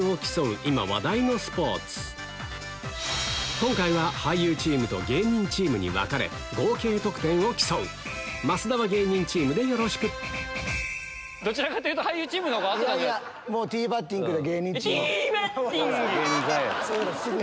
今回は俳優チームと芸人チームに分かれ合計得点を競う増田は芸人チームでよろしくいやいやもうティーバッティングで。